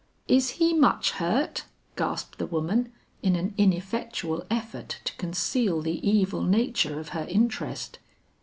"Is he much hurt?" gasped the woman in an ineffectual effort to conceal the evil nature of her interest.